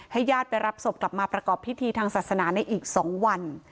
ญาติไปรับศพกลับมาประกอบพิธีทางศาสนาในอีก๒วัน